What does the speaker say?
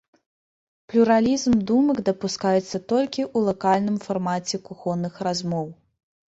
Плюралізм думак дапускаецца толькі ў лакальным фармаце кухонных размоў.